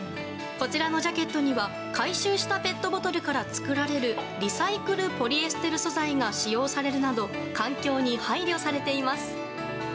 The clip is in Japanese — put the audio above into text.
こちらのジャケットには、回収したペットボトルから作られる、リサイクルポリエステル素材が使用されるなど、環境に配慮されています。